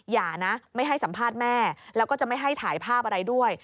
อย่านะไม่ให้สัมภาษณ์แม่แล้วก็จะไม่ให้ถ่ายภาพอะไรด้วย